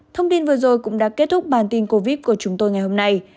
thông tin vừa rồi cũng đã kết thúc bản tin covid của chúng tôi ngày hôm nay